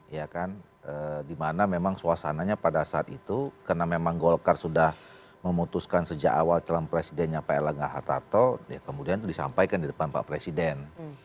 ya kan dimana memang suasananya pada saat itu karena memang golkar sudah memutuskan sejak awal calon presidennya pak erlangga hartarto ya kemudian itu disampaikan di depan pak presiden